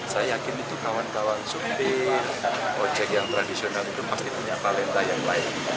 saya yakin itu kawan kawan supir ojek yang tradisional itu pasti punya talenta yang baik